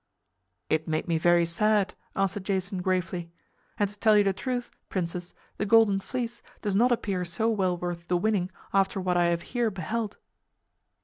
"It made me very sad," answered Jason gravely. "And to tell you the truth, princess, the Golden Fleece does not appear so well worth the winning, after what I have here beheld."